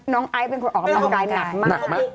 ไอซ์เป็นคนออกกำลังกายหนักมาก